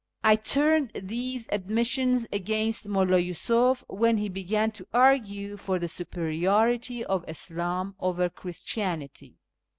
I turned these admissions against Mulla Yiisuf when he began to argue for the superiority of Islam over Christianity.